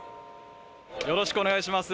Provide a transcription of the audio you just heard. よろしくお願いします。